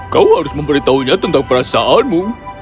kau harus memberitahunya tentang perasaanmu